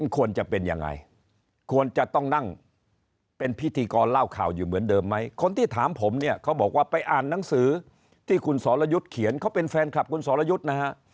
ควรจะเป็นยังไงควรจะต้องนั่งเป็นพิธีกรเล่าข่าวอยู่เหมือนเดิมไหมคนที่ถามผมเนี่ยเขาบอกว่าไปอ่านหนังสือที่คุณสรยุทธ์เขียนเขาเป็นแฟนคลับคุณสรยุทธ์นะฮะ